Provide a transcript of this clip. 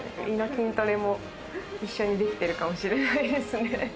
筋トレも一緒にできてるかもしれないですね。